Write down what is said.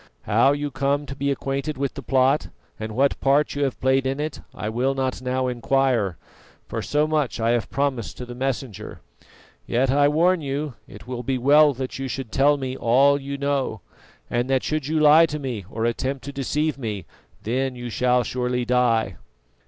How you come to be acquainted with the plot, and what part you have played in it, I will not now inquire, for so much have I promised to the Messenger. Yet I warn you it will be well that you should tell me all you know, and that should you lie to me or attempt to deceive me, then you shall surely die."